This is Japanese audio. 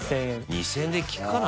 ２０００円できくかな？